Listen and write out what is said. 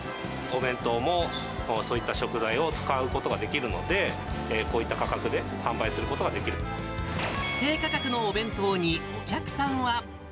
お弁当も、そういった食材を使うことができるので、こういった価格で販売す低価格のお弁当に、お客さんは。